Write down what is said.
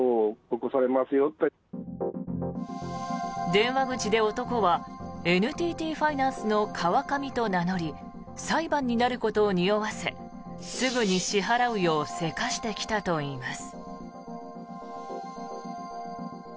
電話口で男はＮＴＴファイナンスのカワカミと名乗り裁判になることをにおわせすぐに支払うよう急かしてきたといいます。